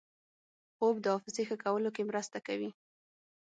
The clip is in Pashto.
خوب د حافظې ښه کولو کې مرسته کوي